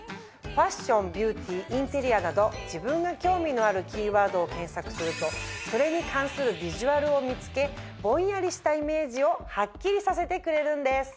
ファッションビューティーインテリアなど自分が興味のあるキーワードを検索するとそれに関するビジュアルを見つけぼんやりしたイメージをはっきりさせてくれるんです。